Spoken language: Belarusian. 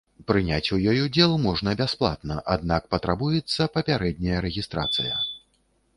Прыняць у ёй удзел можна бясплатна, аднак патрабуецца папярэдняя рэгістрацыя.